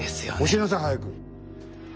教えなさい早く。